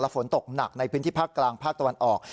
ฝนตกหนักในพื้นที่ภาคกลางภาคตะวันออก